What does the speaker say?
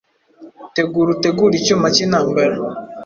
Tegura, utegure icyuma cyintambara,